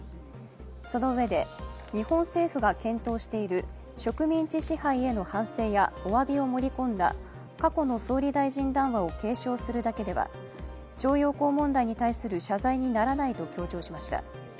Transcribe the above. そのうえで日本政府が検討している植民地支配への反省や反省やお詫びを盛り込んだ過去の総理大臣談話を継承するだけでは徴用工問題に対する謝罪にならないと強調しました。